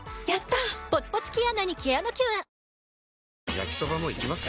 焼きソバもいきます？